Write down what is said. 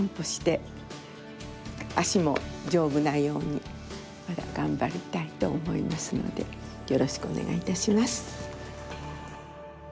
足も丈夫なようにまだ頑張りたいと思いますのでよろしくお願いいたします。